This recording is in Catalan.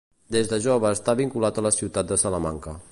Des de jove està vinculat a la ciutat de Salamanca.